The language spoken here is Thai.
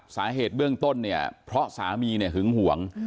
สาเหตุเบื้องต้นเพราะสามีหึงห่วง